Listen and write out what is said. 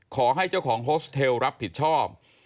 ขอให้เจ้าของโฮสเทลรับผิดชอบ